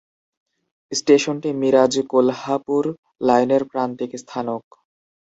স্টেশনটি মিরাজ-কোলহাপুর লাইনের প্রান্তিক স্থানক।